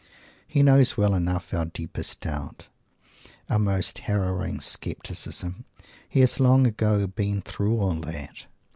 He knows well enough our deepest doubt, our most harrowing scepticism. He has long ago "been through all that."